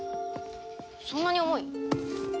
そんなに重い？